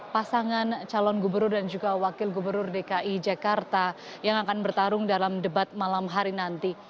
pasangan calon gubernur dan juga wakil gubernur dki jakarta yang akan bertarung dalam debat malam hari nanti